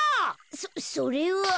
そそれは。